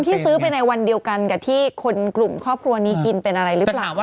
ที่ซื้อไปในวันเดียวกันกับที่คนกลุ่มครอบครัวนี้กินเป็นอะไรหรือเปล่า